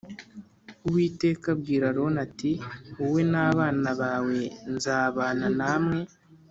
Uwiteka abwira Aroni ati Wowe n’ abana bawe nzabana namwe